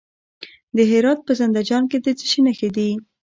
د هرات په زنده جان کې د څه شي نښې دي؟